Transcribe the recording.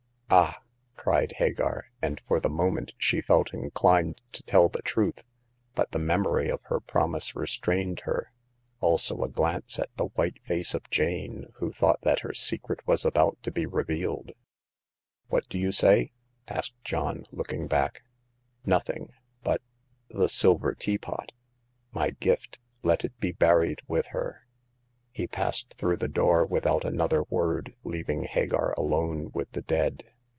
'* Ah !" cried Hagar, and for the moment she felt inclined to tell the truth, but the memory of her promise restrained her \ 2lUo ?^ ^^xv^^ ^^^^^ i8o Hagar of the Pawn Shop. white face of Jane, who thought that her secret was about to be revealed. What do you say ?" asked John, looking back. " Nothing. But— the silver teapot ?"" My gift. Let it be buried with her." He passed through the door without another word, leaving Hagar alone with the dead.